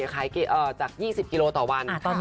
ขายจาก๒๐กิโลต่อวัน